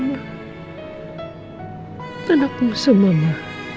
anakku semua mama